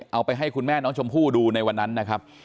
เอาไปให้คุณแม่น้องชมพู่ดูในวันนั้นนะครับ